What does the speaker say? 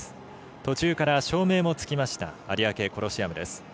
途中から照明もつきました有明コロシアムです。